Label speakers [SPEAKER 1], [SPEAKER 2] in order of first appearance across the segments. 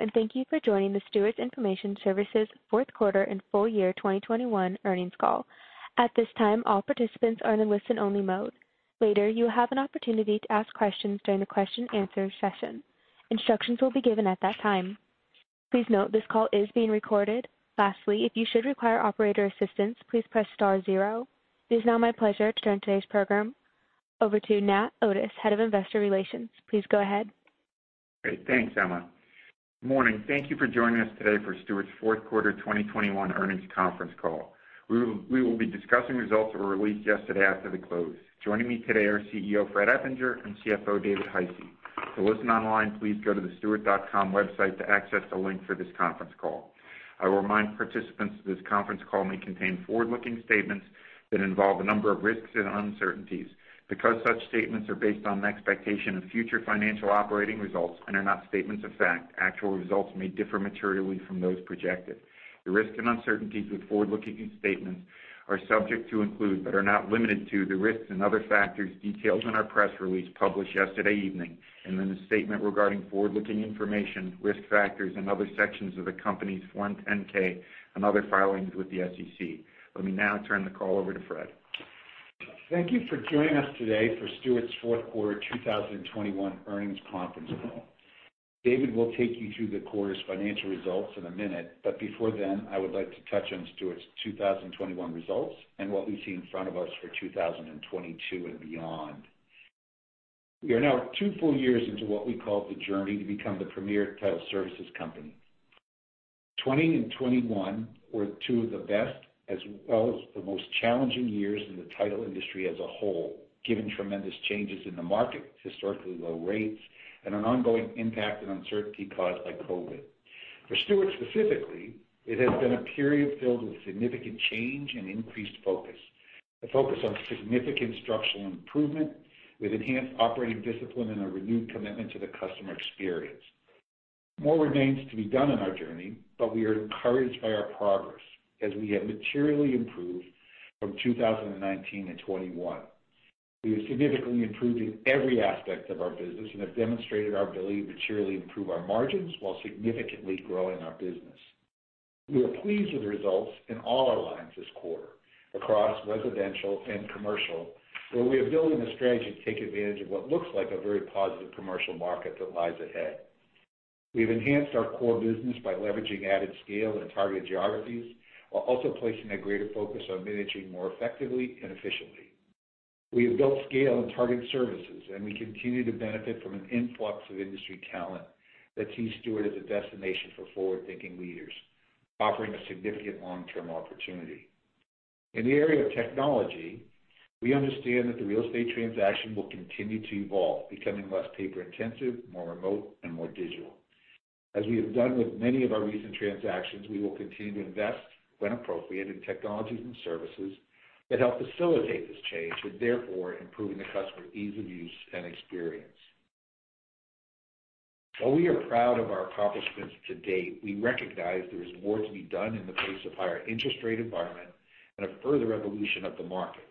[SPEAKER 1] Hello, and thank you for joining the Stewart Information Services Q4 and full year 2021 earnings call. At this time, all participants are in listen-only mode. Later, you will have an opportunity to ask questions during the question-and-answer session. Instructions will be given at that time. Please note, this call is being recorded. Lastly, if you should require operator assistance, please press star zero. It is now my pleasure to turn today's program over to Nat Otis, Head of Investor Relations. Please go ahead.
[SPEAKER 2] Great. Thanks, Emma. Morning. Thank you for joining us today for Stewart's Q4 2021 earnings conference call. We will be discussing results that were released yesterday after the close. Joining me today are CEO Fred Eppinger and CFO David Hisey. To listen online, please go to the stewart.com website to access the link for this conference call. I will remind participants this conference call may contain forward-looking statements that involve a number of risks and uncertainties. Because such statements are based on the expectation of future financial operating results and are not statements of fact, actual results may differ materially from those projected. The risks and uncertainties with forward-looking statements include, but are not limited to, the risks and other factors detailed in our press release published yesterday evening, and in the statement regarding forward-looking information, risk factors, and other sections of the company's Form 10-K and other filings with the SEC. Let me now turn the call over to Fred.
[SPEAKER 3] Thank you for joining us today for Stewart's Q4 2021 earnings conference call. David will take you through the quarter's financial results in a minute, but before then, I would like to touch on Stewart's 2021 results and what we see in front of us for 2022 and beyond. We are now two full years into what we call the journey to become the premier title services company. 2020 and 2021 were two of the best as well as the most challenging years in the title industry as a whole, given tremendous changes in the market, historically low rates, and an ongoing impact and uncertainty caused by COVID. For Stewart specifically, it has been a period filled with significant change and increased focus. The focus on significant structural improvement with enhanced operating discipline and a renewed commitment to the customer experience. More remains to be done in our journey, but we are encouraged by our progress as we have materially improved from 2019 to 2021. We have significantly improved in every aspect of our business and have demonstrated our ability to materially improve our margins while significantly growing our business. We are pleased with the results in all our lines this quarter across residential and commercial, where we are building a strategy to take advantage of what looks like a very positive commercial market that lies ahead. We've enhanced our core business by leveraging added scale in targeted geographies while also placing a greater focus on managing more effectively and efficiently. We have built scale in targeted services, and we continue to benefit from an influx of industry talent that sees Stewart as a destination for forward-thinking leaders, offering a significant long-term opportunity. In the area of technology, we understand that the real estate transaction will continue to evolve, becoming less paper-intensive, more remote and more digital. As we have done with many of our recent transactions, we will continue to invest when appropriate in technologies and services that help facilitate this change and therefore improving the customer ease of use and experience. While we are proud of our accomplishments to date, we recognize there is more to be done in the face of higher interest rate environment and a further evolution of the market.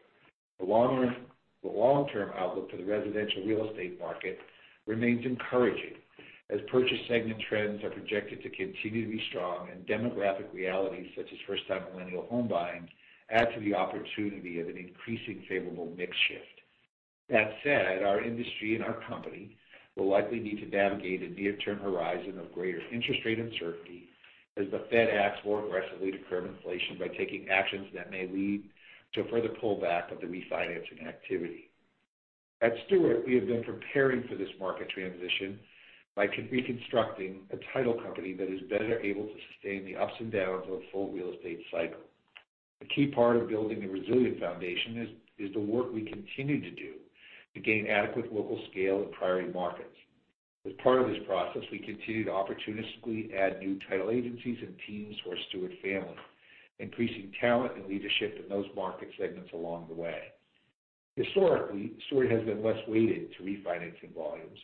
[SPEAKER 3] The long-term outlook for the residential real estate market remains encouraging as purchase segment trends are projected to continue to be strong and demographic realities such as first-time millennial home buying add to the opportunity of an increasing favorable mix shift. That said, our industry and our company will likely need to navigate a near-term horizon of greater interest rate uncertainty as the Fed acts more aggressively to curb inflation by taking actions that may lead to further pullback of the refinancing activity. At Stewart, we have been preparing for this market transition by reconstructing a title company that is better able to sustain the ups and downs of a full real estate cycle. A key part of building a resilient foundation is the work we continue to do to gain adequate local scale in priority markets. As part of this process, we continue to opportunistically add new title agencies and teams to our Stewart family, increasing talent and leadership in those market segments along the way. Historically, Stewart has been less weighted to refinancing volumes.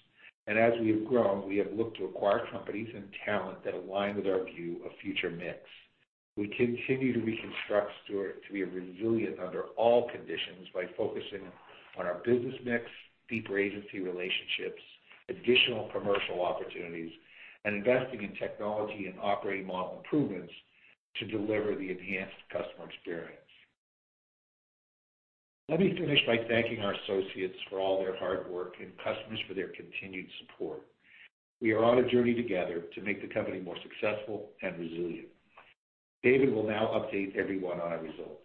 [SPEAKER 3] As we have grown, we have looked to acquire companies and talent that align with our view of future mix. We continue to reconstruct Stewart to be resilient under all conditions by focusing on our business mix, deeper agency relationships, additional commercial opportunities, and investing in technology and operating model improvements to deliver the enhanced customer experience. Let me finish by thanking our associates for all their hard work and customers for their continued support. We are on a journey together to make the company more successful and resilient. David will now update everyone on our results.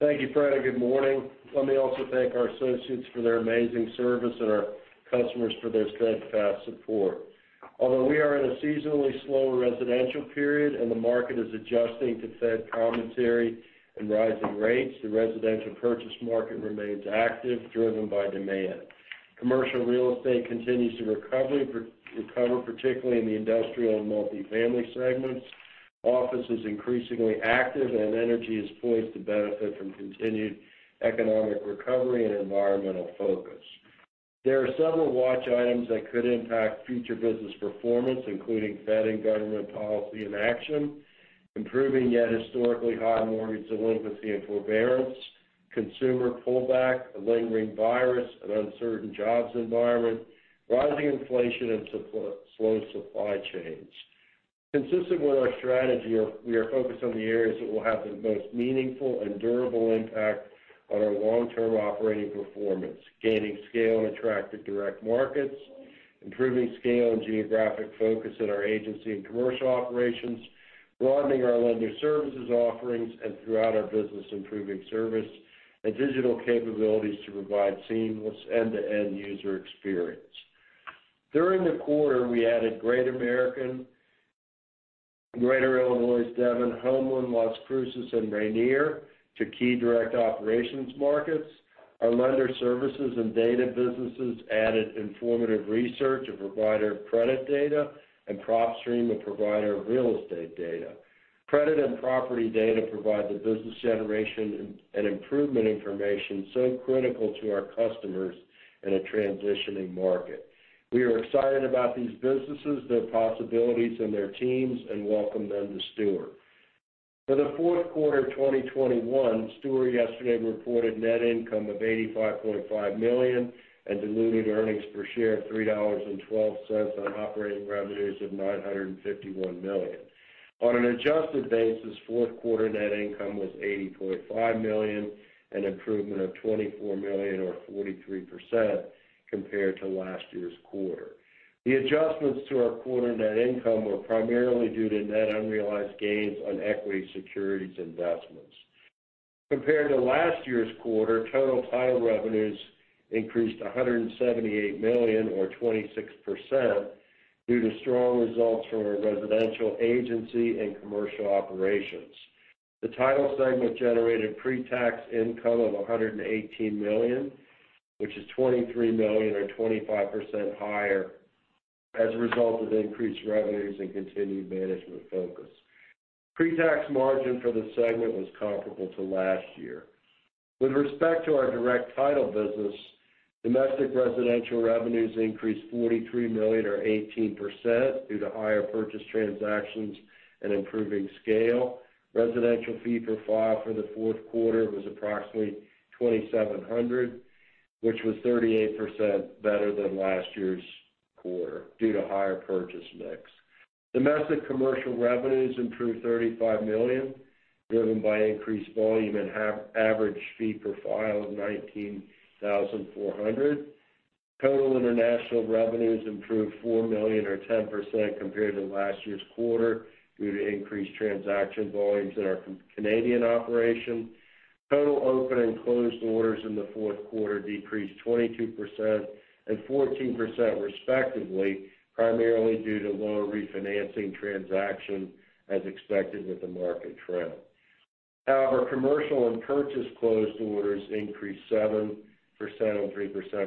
[SPEAKER 2] Thank you, Fred, and good morning. Let me also thank our associates for their amazing service and our customers for their steadfast support. Although we are in a seasonally slower residential period and the market is adjusting to Fed commentary and rising rates, the residential purchase market remains active, driven by demand. Commercial real estate continues to recover particularly in the industrial and multifamily segments. Office is increasingly active and energy is poised to benefit from continued economic recovery and environmental focus. There are several watch items that could impact future business performance, including Fed and government policy in action, improving yet historically high mortgage delinquency and forbearance.
[SPEAKER 4] Consumer pullback, a lingering virus, an uncertain jobs environment, rising inflation and super-slow supply chains. Consistent with our strategy, we are focused on the areas that will have the most meaningful and durable impact on our long-term operating performance. Gaining scale in attractive direct markets, improving scale and geographic focus in our agency and commercial operations, broadening our lender services offerings, and throughout our business, improving service and digital capabilities to provide seamless end-to-end user experience. During the quarter, we added Great American, Greater Illinois, Devon, Homeland, Las Cruces and Rainier to key direct operations markets. Our lender services and data businesses added Informative Research, a provider of credit data, and PropStream, a provider of real estate data. Credit and property data provide the business generation and improvement information so critical to our customers in a transitioning market. We are excited about these businesses, their possibilities and their teams, and welcome them to Stewart. For the Q4 of 2021, Stewart yesterday reported net income of $85.5 million and diluted earnings per share of $3.12 on operating revenues of $951 million. On an adjusted basis, Q4 net income was $80.5 million, an improvement of $24 million or 43% compared to last year's quarter. The adjustments to our quarter net income were primarily due to net unrealized gains on equity securities investments. Compared to last year's quarter, total title revenues increased $178 million or 26% due to strong results from our residential agency and commercial operations. The title segment generated pre-tax income of $118 million, which is $23 million or 25% higher as a result of increased revenues and continued management focus. Pre-tax margin for the segment was comparable to last year. With respect to our direct title business, domestic residential revenues increased $43 million or 18% due to higher purchase transactions and improving scale. Residential fee per file for the Q4 was approximately $2,700, which was 38% better than last year's quarter due to higher purchase mix. Domestic commercial revenues improved $35 million, driven by increased volume and average fee per file of $19,400. Total international revenues improved $4 million or 10% compared to last year's quarter due to increased transaction volumes in our Canadian operation. Total open and closed orders in the Q4 decreased 22% and 14% respectively, primarily due to lower refinancing transaction as expected with the market trend. However, commercial and purchase closed orders increased 7% and 3%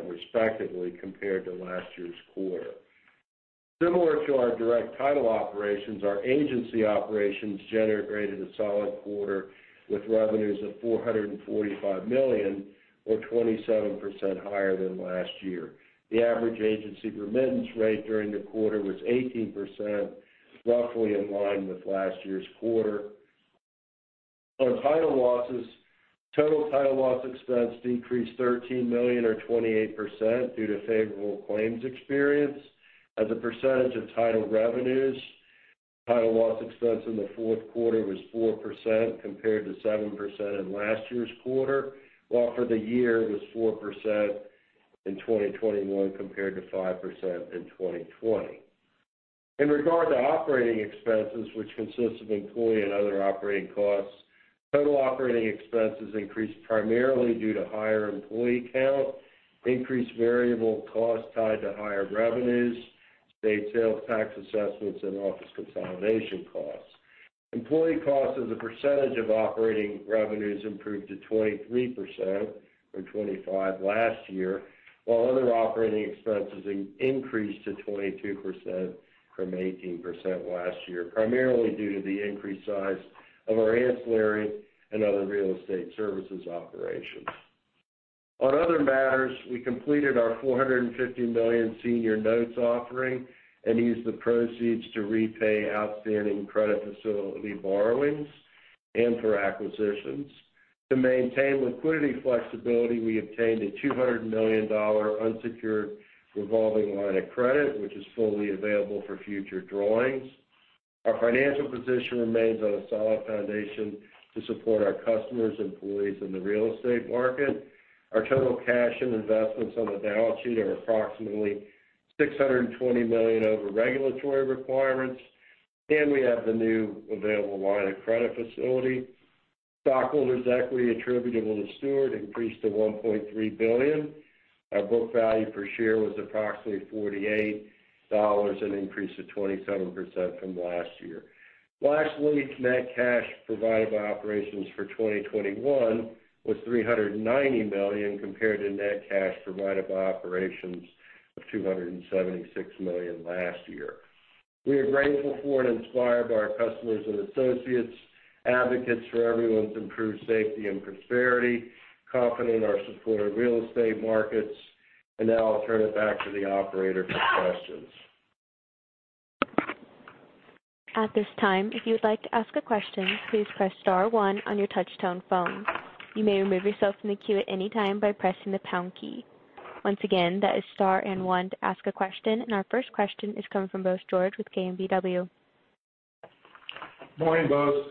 [SPEAKER 4] respectively compared to last year's quarter. Similar to our direct title operations, our agency operations generated a solid quarter with revenues of $445 million or 27% higher than last year. The average agency remittance rate during the quarter was 18%, roughly in line with last year's quarter. On title losses, total title loss expense decreased $13 million or 28% due to favorable claims experience. As a percentage of title revenues, title loss expense in the Q4 was 4% compared to 7% in last year's quarter, while for the year it was 4% in 2021 compared to 5% in 2020. In regard to operating expenses, which consists of employee and other operating costs, total operating expenses increased primarily due to higher employee count, increased variable costs tied to higher revenues, state sales tax assessments, and office consolidation costs. Employee costs as a percentage of operating revenues improved to 23% from 25% last year, while other operating expenses increased to 22% from 18% last year, primarily due to the increased size of our ancillary and other real estate services operations. On other matters, we completed our $450 million senior notes offering and used the proceeds to repay outstanding credit facility borrowings and for acquisitions. To maintain liquidity flexibility, we obtained a $200 million unsecured revolving line of credit, which is fully available for future drawings. Our financial position remains on a solid foundation to support our customers, employees, and the real estate market. Our total cash and investments on the balance sheet are approximately $620 million over regulatory requirements, and we have the new available line of credit facility. Stockholders' equity attributable to Stewart increased to $1.3 billion. Our book value per share was approximately $48, an increase of 27% from last year. Lastly, net cash provided by operations for 2021 was $390 million, compared to net cash provided by operations of $276 million last year. We are grateful for and inspired by our customers and associates, advocates for everyone's improved safety and prosperity, confident in our supportive real estate markets. Now I'll turn it back to the operator for questions.
[SPEAKER 1] Our first question is coming from Bose George with KBW.
[SPEAKER 3] Morning, Bose.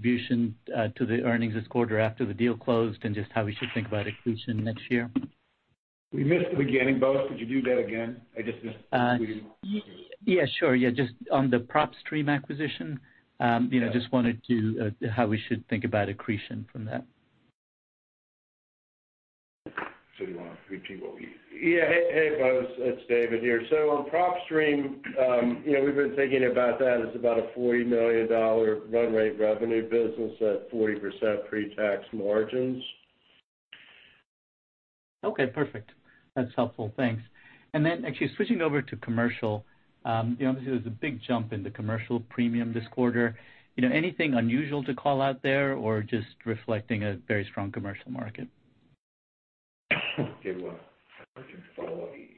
[SPEAKER 5] attribution, to the earnings this quarter after the deal closed and just how we should think about accretion next year.
[SPEAKER 3] We missed the beginning, Bose. Could you do that again? I just missed the beginning.
[SPEAKER 5] Yeah, sure. Yeah, just on the PropStream acquisition just wanted to how we should think about accretion from that.
[SPEAKER 4] Hey, Bose. It's David here. On propstream we've been thinking about that as about a $40 million run rate revenue business at 40% pretax margins.
[SPEAKER 5] Okay, perfect. That's helpful. Thanks. Then actually switching over to commercial obviously, there was a big jump in the commercial premium this quarter. You know, anything unusual to call out there or just reflecting a very strong commercial market?
[SPEAKER 3] Give what?
[SPEAKER 5] Follow up.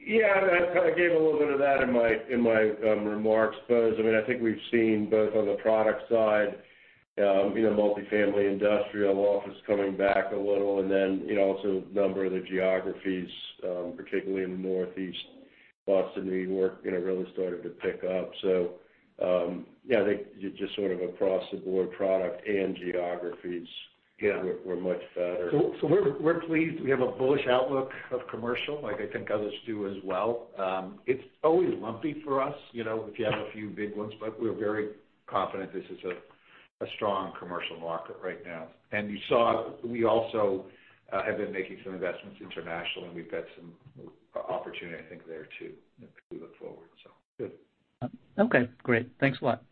[SPEAKER 3] Yeah, I gave a little bit of that in my remarks, Bose. I mean, I think we've seen both on the product side multifamily industrial office coming back a little and then also a number of the geographies, particularly in the Northeast, Boston, New York really started to pick up. Yeah, I think just sort of across the board, product and geographies were much better. We're pleased. We have a bullish outlook of commercial, like I think others do as well. It's always lumpy for us if you have a few big ones, but we're very confident this is a strong commercial market right now. You saw we also have been making some investments internationally, and we've got some opportunity, I think, there too as we look forward. Good.
[SPEAKER 5] Okay, great. Thanks a lot.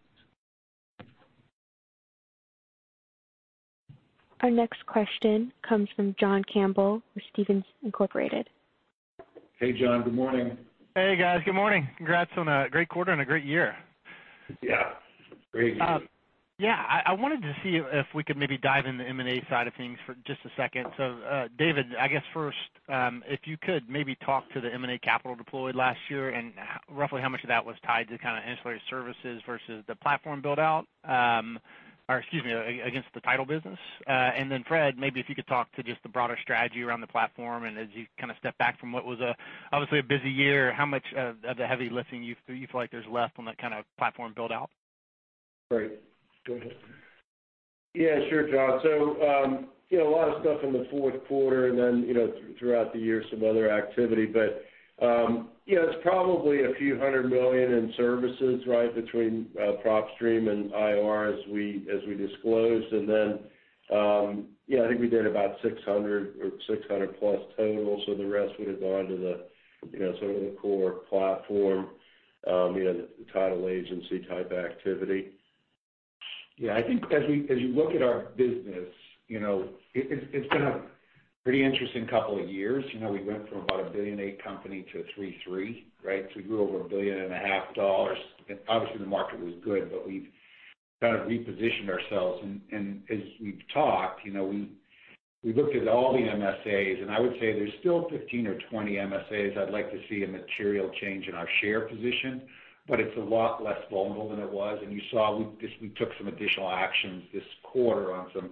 [SPEAKER 1] Our next question comes from John Campbell with Stephens Inc.
[SPEAKER 3] Hey, John. Good morning.
[SPEAKER 6] Hey, guys. Good morning. Congrats on a great quarter and a great year.
[SPEAKER 3] Yeah. Great year.
[SPEAKER 6] Yeah, I wanted to see if we could maybe dive in the M&A side of things for just a second. David, I guess first, if you could maybe talk to the M&A capital deployed last year and roughly how much of that was tied to kind of ancillary services versus the platform build out. Or excuse me, against the title business. And then Fred, maybe if you could talk to just the broader strategy around the platform, and as you kind of step back from what was obviously a busy year, how much of the heavy lifting you feel like there's left on that kind of platform build out?
[SPEAKER 3] Great. Go ahead.
[SPEAKER 4] Yeah, sure, John. You know, a lot of stuff in the Q4 and then throughout the year, some other activity. You know, it's probably a few hundred million in services, right, between PropStream and IR as we disclosed. You know, I think we did about $600 or $600-plus total, so the rest would have gone to the sort of the core platform the title agency type activity.
[SPEAKER 3] Yeah. I think as you look at our business it's been a pretty interesting couple of years. You know, we went from about a $1.8 billion company to a $3.3 billion, right? We grew over $1.5 billion. Obviously, the market was good, but we've kind of repositioned ourselves. As we've talked we looked at all the MSAs, and I would say there's still 15 or 20 MSAs I'd like to see a material change in our share position, but it's a lot less vulnerable than it was. You saw we just took some additional actions this quarter on some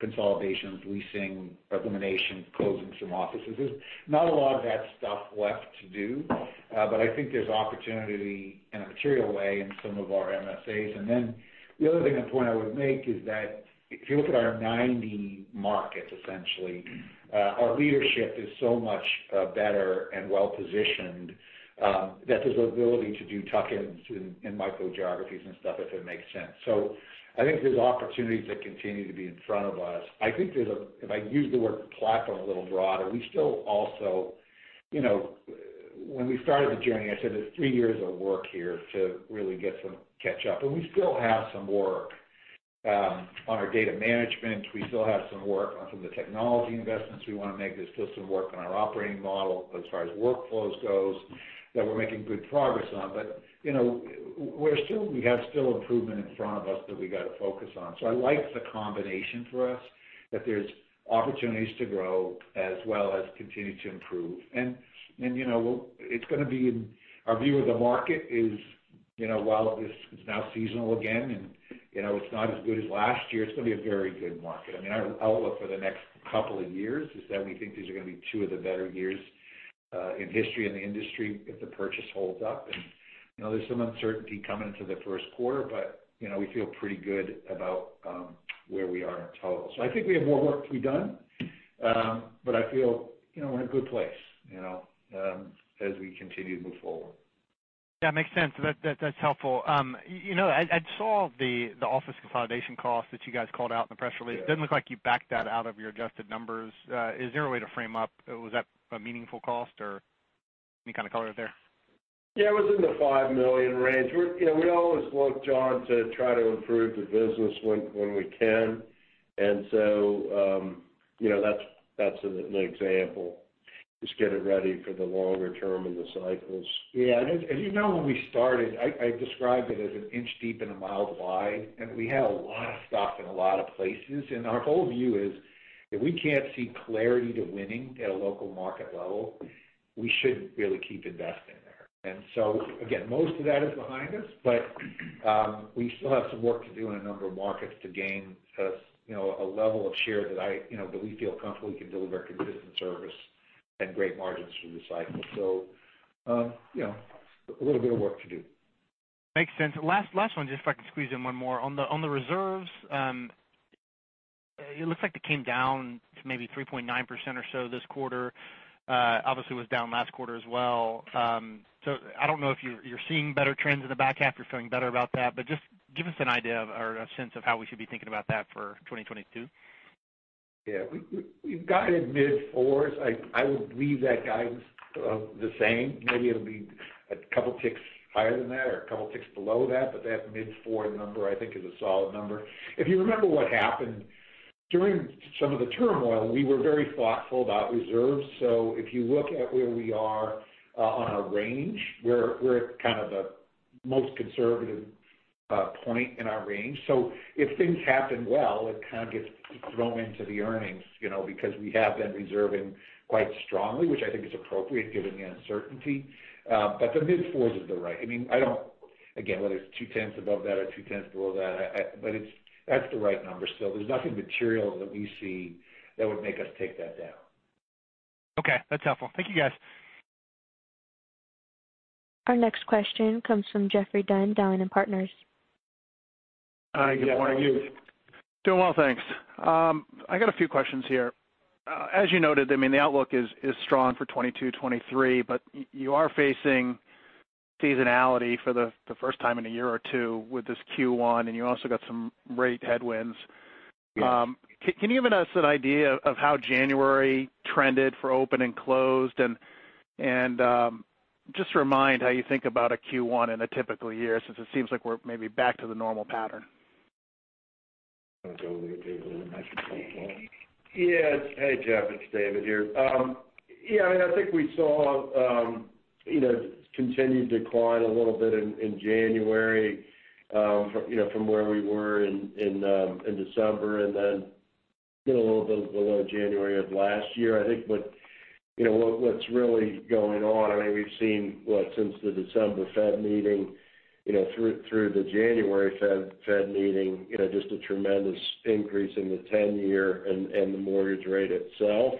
[SPEAKER 3] consolidations, leasing, eliminations, closing some offices. There's not a lot of that stuff left to do, but I think there's opportunity in a material way in some of our MSAs. The other thing or point I would make is that if you look at our 90 markets, essentially, our leadership is so much better and well-positioned, that there's ability to do tuck-ins in micro geographies and stuff, if it makes sense. I think there's opportunities that continue to be in front of us. If I use the word platform a little broader, we still also when we started the journey, I said there's three years of work here to really get some catch-up. We still have some work on our data management. We still have some work on some of the technology investments we wanna make. There's still some work on our operating model as far as workflows goes that we're making good progress on. You know, we still have improvement in front of us that we gotta focus on. I like the combination for us that there's opportunities to grow as well as continue to improve. You know, it's gonna be interesting. Our view of the market is while it is, it's now seasonal again and it's not as good as last year, it's gonna be a very good market. I mean, our outlook for the next couple of years is that we think these are gonna be two of the better years in history in the industry if the purchase holds up. You know, there's some uncertainty coming into the Q1, but we feel pretty good about where we are in total. I think we have more work to be done, but I feel we're in a good place as we continue to move forward.
[SPEAKER 6] Yeah, makes sense. That's helpful. You know, I saw the office consolidation cost that you guys called out in the press release.
[SPEAKER 3] Yeah.
[SPEAKER 6] It doesn't look like you backed that out of your adjusted numbers. Is there a way to frame up? Was that a meaningful cost or any kind of color there?
[SPEAKER 3] Yeah. It was in the $5 million range. You know, we always look, John, to try to improve the business when we can. You know, that's an example. Just get it ready for the longer term and the cycles.
[SPEAKER 4] Yeah. As you know, when we started, I described it as an inch deep and a mile wide, and we had a lot of stuff in a lot of places. Our whole view is-
[SPEAKER 3] If we can't see clarity to winning at a local market level, we shouldn't really keep investing there. Again, most of that is behind us, but we still have some work to do in a number of markets to gain you know a level of share that we feel comfortable we can deliver consistent service and great margins through the cycle. You know, a little bit of work to do.
[SPEAKER 6] Makes sense. Last one, just if I can squeeze in one more. On the reserves, it looks like it came down to maybe 3.9% or so this quarter. Obviously, it was down last quarter as well. I don't know if you're seeing better trends in the back half, you're feeling better about that, but just give us an idea or a sense of how we should be thinking about that for 2022.
[SPEAKER 3] Yeah. We've got it mid-4s. I would leave that guidance the same. Maybe it'll be a couple ticks higher than that or a couple ticks below that, but that mid-4 number I think is a solid number. If you remember what happened during some of the turmoil, we were very thoughtful about reserves. So if you look at where we are on a range, we're at kind of the most conservative point in our range. So if things happen well, it kind of gets thrown into the earnings because we have been reserving quite strongly, which I think is appropriate given the uncertainty. But the mid-4s is right, I mean. Again, whether it's 0.2 above that or 0.2 below that, I. But it's that's the right number still. There's nothing material that we see that would make us take that down.
[SPEAKER 6] Okay. That's helpful. Thank you, guys.
[SPEAKER 1] Our next question comes from Geoffrey Dunn, Dowling & Partners.
[SPEAKER 7] Hi. Good morning.
[SPEAKER 3] Geoffrey, how are you?
[SPEAKER 7] Doing well, thanks. I got a few questions here. As you noted, I mean, the outlook is strong for 2022, 2023, but you are facing seasonality for the first time in a year or two with this Q1, and you also got some rate headwinds.
[SPEAKER 3] Yes.
[SPEAKER 7] Can you give us an idea of how January trended for open and closed? Just remind how you think about a Q1 in a typical year, since it seems like we're maybe back to the normal pattern.
[SPEAKER 3] Wanna go over to David and ask him to take that one.
[SPEAKER 4] Hey, Geoff, it's David here. I mean, I think we saw continued decline a little bit in January from from where we were in December and then get a little bit below January of last year. I think what's really going on, I mean, we've seen what since the December Fed meeting through the January Fed meeting just a tremendous increase in the ten-year and the mortgage rate itself.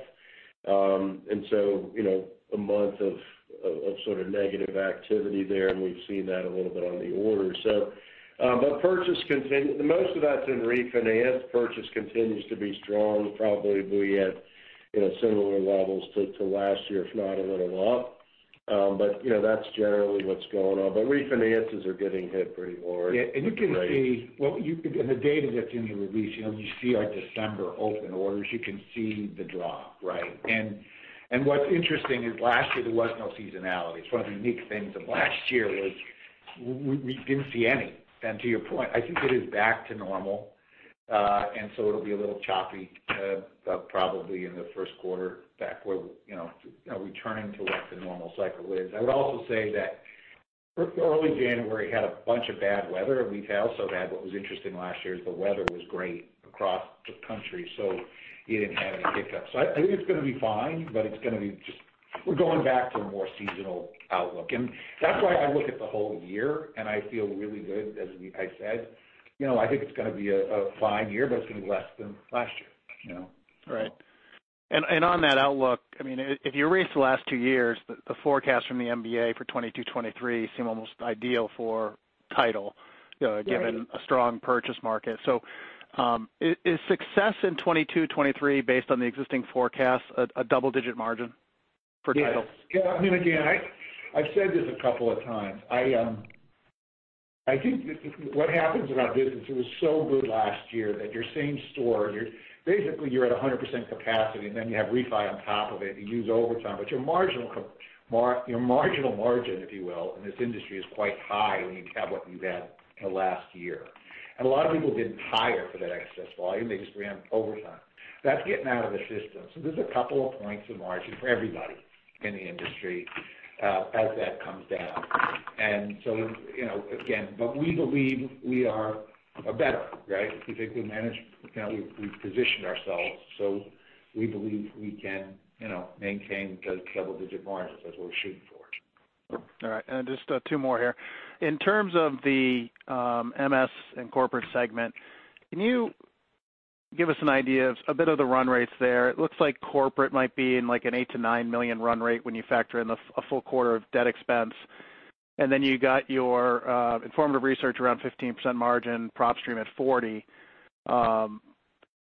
[SPEAKER 4] I mean a month of sort of negative activity there, and we've seen that a little bit on the orders. Most of that's in refinance. Purchase continues to be strong, probably be at similar levels to last year, if not a little up. You know, that's generally what's going on. Refinances are getting hit pretty hard with the rates.
[SPEAKER 3] Yeah. You can see in the data that's in the release you see our December open orders. You can see the drop, right? What's interesting is last year there was no seasonality. It's one of the unique things of last year was we didn't see any. To your point, I think it is back to normal. It'll be a little choppy, probably in the Q1 back where returning to what the normal cycle is. I would also say that early January had a bunch of bad weather in retail, so that what was interesting last year is the weather was great across the country, so you didn't have any hiccups. I think it's gonna be fine, but it's gonna be just. We're going back to a more seasonal outlook. That's why I look at the whole year and I feel really good, I said. You know, I think it's gonna be a fine year, but it's gonna be less than last year, you know?
[SPEAKER 7] Right. On that outlook, I mean, if you erase the last two years, the forecast from the MBA for 2022, 2023 seem almost ideal for Title-
[SPEAKER 3] Right.
[SPEAKER 7] you know, given a strong purchase market. Is success in 2022, 2023 based on the existing forecast a double-digit margin for Title?
[SPEAKER 3] Yes. Yeah. I mean, again, I've said this a couple of times. I think what happens in our business, it was so good last year that your same store, basically you're at 100% capacity, and then you have refi on top of it, you use overtime. Your marginal margin, if you will, in this industry is quite high when you have what you've had in the last year. A lot of people didn't hire for that excess volume. They just ran overtime. That's getting out of the system. There's a couple of points of margin for everybody in the industry as that comes down. You know, again, we believe we are better, right? We think we managed we've positioned ourselves, so we believe we can maintain the double-digit margins. That's what we're shooting for.
[SPEAKER 7] All right. Just two more here. In terms of the MS and corporate segment, can you give us an idea of a bit of the run rates there? It looks like corporate might be in, like, an $8 million-$9 million run rate when you factor in a full quarter of debt expense. Then you got your Informative Research around 15% margin, PropStream at 40%.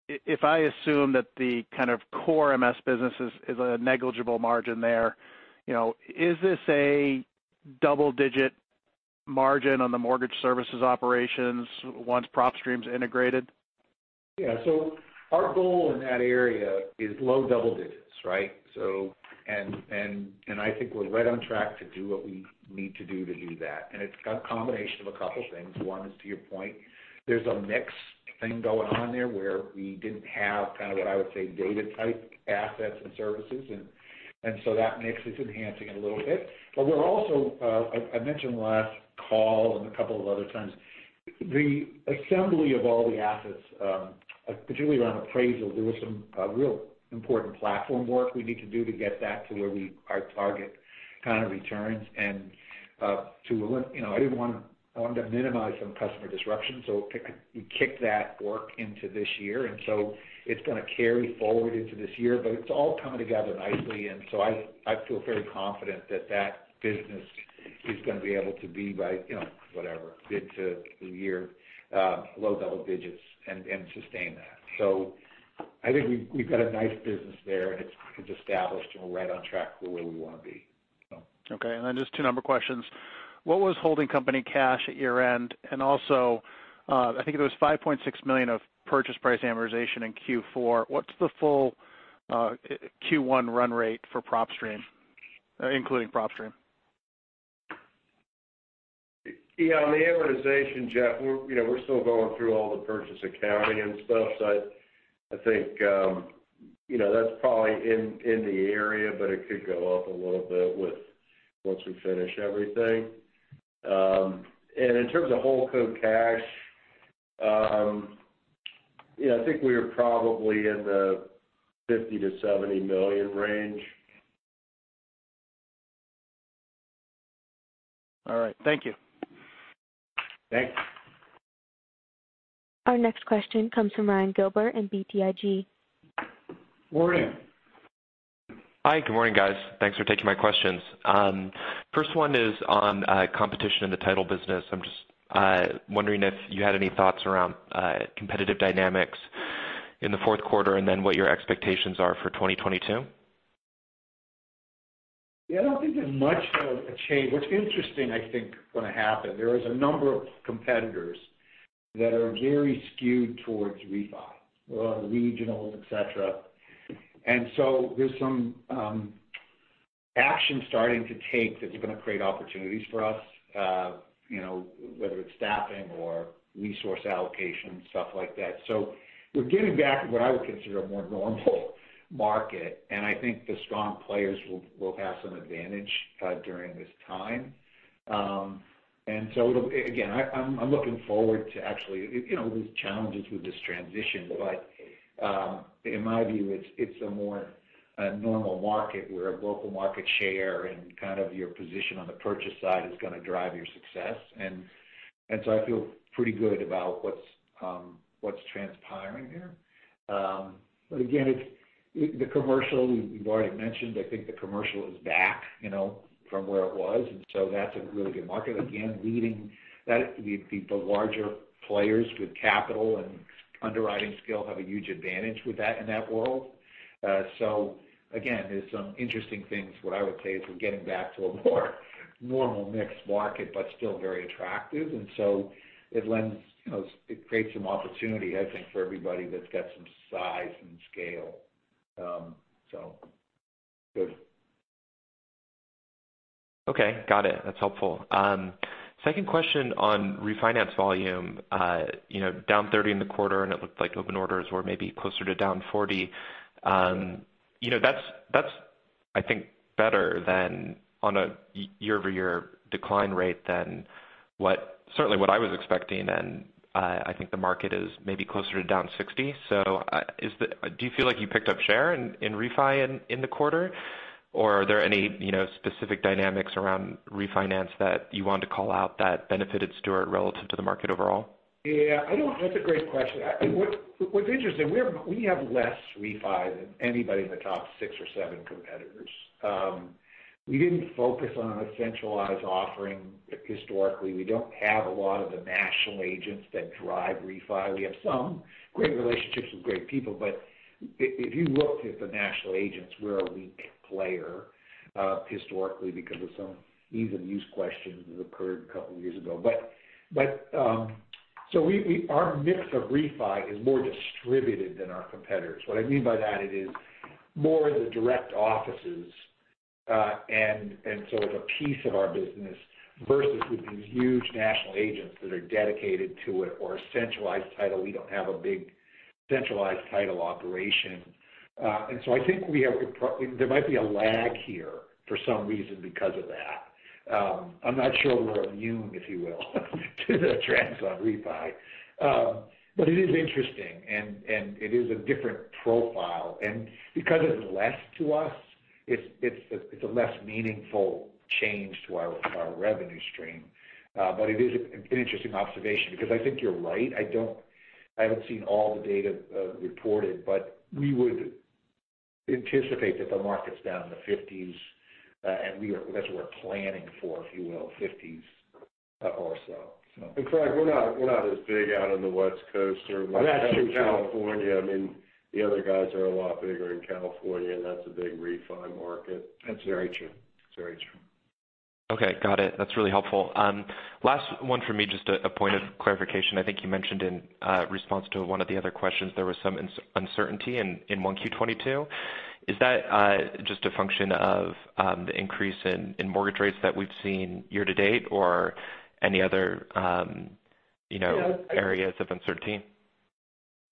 [SPEAKER 7] If I assume that the kind of core MS business is a negligible margin there is this a double-digit margin on the mortgage services operations once PropStream's integrated?
[SPEAKER 3] Yeah. Our goal in that area is low double digits, right? I think we're right on track to do what we need to do to do that. It's a combination of a couple things. One is to your point, there's a mix thing going on there where we didn't have kind of what I would say data-type assets and services, and so that mix is enhancing it a little bit. But we're also I mentioned last call and a couple of other times, the assembly of all the assets, particularly around appraisal, there was some real important platform work we need to do to get that to our target kind of returns. You know, I wanted to minimize some customer disruption, so we kicked that work into this year, and it's gonna carry forward into this year. But it's all coming together nicely, and so I feel very confident that that business is gonna be able to be by whatever, mid to through the year, low double digits and sustain that. I think we've got a nice business there and it's established and we're right on track for where we wanna be.
[SPEAKER 7] Okay. Just two number questions. What was holding company cash at year-end? I think there was $5.6 million of purchase price amortization in Q4. What's the full Q1 run rate for PropStream, including PropStream?
[SPEAKER 4] Yeah. On the amortization, Jeff, we're still going through all the purchase accounting and stuff. I think that's probably in the area, but it could go up a little bit once we finish everything. In terms of holdco cash I think we are probably in the $50 million-$70 million range.
[SPEAKER 7] All right. Thank you.
[SPEAKER 4] Thanks.
[SPEAKER 1] Our next question comes from Ryan Gilbert in BTIG.
[SPEAKER 3] Morning.
[SPEAKER 8] Hi. Good morning, guys. Thanks for taking my questions. First one is on competition in the title business. I'm just wondering if you had any thoughts around competitive dynamics in the Q4, and then what your expectations are for 2022.
[SPEAKER 3] Yeah, I don't think there's much of a change. What's interesting, I think gonna happen, there is a number of competitors that are very skewed towards refi, a lot of regionals, et cetera. There's some action starting to take that's gonna create opportunities for us whether it's staffing or resource allocation, stuff like that. We're getting back to what I would consider a more normal market, and I think the strong players will have some advantage during this time. It'll again, I'm looking forward to actually there's challenges with this transition, but in my view it's a more normal market where local market share and kind of your position on the purchase side is gonna drive your success. I feel pretty good about what's transpiring here. Again, it's the commercial you've already mentioned. I think the commercial is back from where it was, and so that's a really good market. Again, leading that, the larger players with capital and underwriting skill have a huge advantage with that in that world. So again, there's some interesting things, what I would say, as we're getting back to a more normal mixed market, but still very attractive. It lends it creates some opportunity, I think, for everybody that's got some size and scale. Good.
[SPEAKER 8] Okay. Got it. That's helpful. Second question on refinance volume. You know, down 30% in the quarter, and it looked like open orders were maybe closer to down 40%. You know, that's I think better than year-over-year decline rate than what, certainly what I was expecting, and I think the market is maybe closer to down 60%. Do you feel like you picked up share in refi in the quarter? Or are there any specific dynamics around refinance that you want to call out that benefited Stewart relative to the market overall?
[SPEAKER 3] Yeah. That's a great question. What's interesting, we have less refi than anybody in the top 6 or 7 competitors. We didn't focus on a centralized offering historically. We don't have a lot of the national agents that drive refi. We have some great relationships with great people, but if you looked at the national agents, we're a weak player historically because of some ease of use questions that occurred a couple years ago. But so we, our mix of refi is more distributed than our competitors. What I mean by that, it is more the direct offices, and so it's a piece of our business versus with these huge national agents that are dedicated to it or a centralized title. We don't have a big centralized title operation. I think there might be a lag here for some reason because of that. I'm not sure we're immune, if you will, to the trends on refi. It is interesting and it is a different profile. Because it's less to us, it's a less meaningful change to our revenue stream. It is an interesting observation because I think you're right. I haven't seen all the data reported, but we would anticipate that the market's down in the 50s and that's what we're planning for, if you will, 50s or so.
[SPEAKER 4] Craig, we're not as big out on the West Coast or
[SPEAKER 3] That's true.
[SPEAKER 4] California. I mean, the other guys are a lot bigger in California, and that's a big refi market.
[SPEAKER 3] That's very true.
[SPEAKER 8] Okay. Got it. That's really helpful. Last one from me, just a point of clarification. I think you mentioned in response to one of the other questions, there was some uncertainty in 1Q 2022. Is that just a function of the increase in mortgage rates that we've seen year to date or any other areas of uncertainty?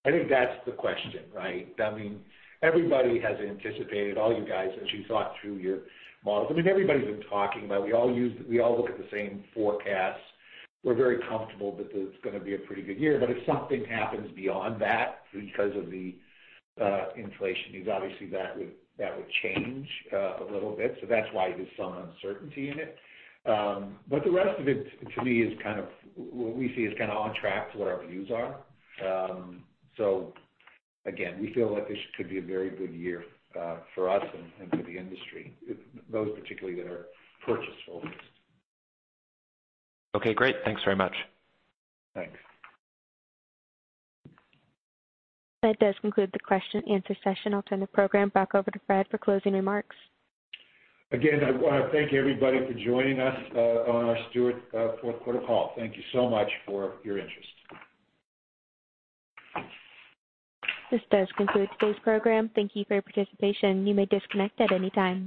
[SPEAKER 3] I think that's the question, right? I mean, everybody has anticipated, all you guys, as you thought through your models. I mean, everybody's been talking about it. We all look at the same forecasts. We're very comfortable that it's gonna be a pretty good year. If something happens beyond that because of the inflation, obviously that would change a little bit. That's why there's some uncertainty in it. The rest of it, to me, is kind of what we see as kind of on track to what our views are. Again, we feel like this could be a very good year for us and for the industry, those particularly that are purchase focused.
[SPEAKER 8] Okay, great. Thanks very much.
[SPEAKER 3] Thanks.
[SPEAKER 1] That does conclude the question and answer session. I'll turn the program back over to Brad for closing remarks.
[SPEAKER 3] Again, I wanna thank everybody for joining us on our Stewart Q4 call. Thank you so much for your interest.
[SPEAKER 1] This does conclude today's program. Thank you for your participation. You may disconnect at any time.